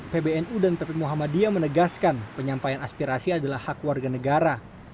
pbnu dan pp muhammadiyah menegaskan penyampaian aspirasi adalah hak warga negara